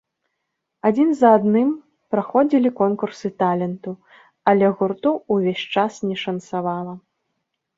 Адзін за адным праходзілі конкурсы таленту, але гурту ўвесь час не шанцавала.